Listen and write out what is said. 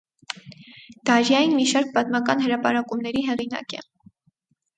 Դարյաին մի շարք պատմական հրապարակումների հեղինակ է։